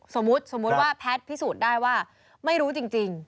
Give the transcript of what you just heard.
สมมุติว่าแพทย์พิสูจน์ได้ว่าไม่รู้จริง